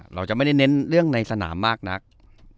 เราจะไม่ได้เน้นเรื่องในสนามมากนัก